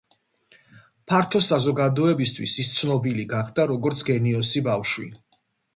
ფართო საზოგადოებისთვის ის ცნობილი გახდა, როგორც გენიოსი ბავშვი.